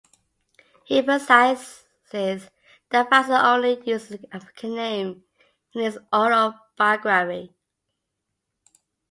He emphasizes that Vassa only used his African name in his autobiography.